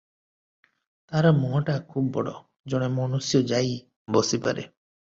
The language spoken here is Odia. ତାହାର ମୁହଁଟା ଖୁବ୍ ବଡ଼, ଜଣେ ମନୁଷ୍ୟ ଯାଇ ବସିପାରେ ।